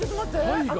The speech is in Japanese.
大河。